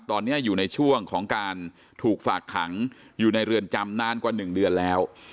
ตอนนี้อยู่ในช่วงของการถูกฝากขังอยู่ในเรือนจำนานกว่า๑เดือนแล้ว